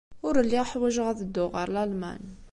Ur lliɣ ḥwajeɣ ad dduɣ ɣer Lalman.